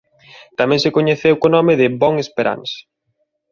Tamén se coñeceu co nome de "Bonne Esperance".